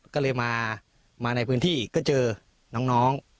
ก็เลยมาในพื้นที่ก็เจอน้อง